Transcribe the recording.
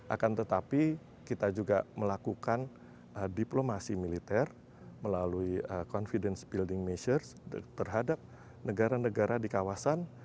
akan tetapi kita juga melakukan diplomasi militer melalui confidence building measure terhadap negara negara di kawasan